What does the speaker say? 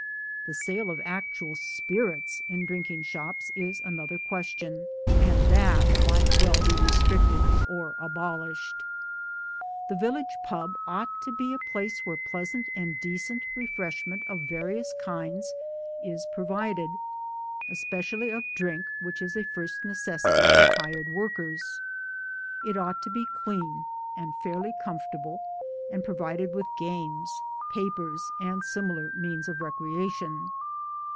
The sale of actual spirits in drinking shops is another question, and that might well be restricted or abolished. The village pub. ought to be a place where pleasant and decent refreshment of various kinds is provided especially of drink which is a first necessity, for tired workers. It ought to be clean and fairly com fortable and provided with games, papers, and similar means of recreation.